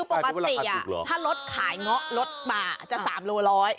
ปกติถ้ารถขายง้อรถบ่าจะสามโลร้อย